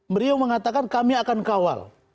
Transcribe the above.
beliau mengatakan kami akan kawal